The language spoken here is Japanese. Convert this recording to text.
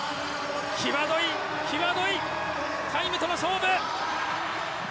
際どい際どいタイムとの勝負。